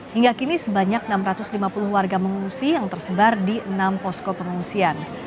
hingga kini sebanyak enam ratus lima puluh warga mengungsi yang tersebar di enam posko pengungsian